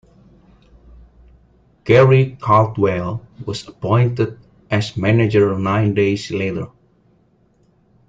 Gary Caldwell was appointed as manager nine days later.